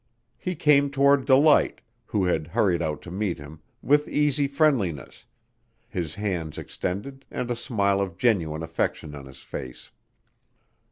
He came toward Delight, who had hurried out to meet him, with easy friendliness, his hands extended and a smile of genuine affection on his face.